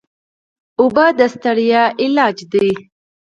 اوبه د ستړیا علاج دي.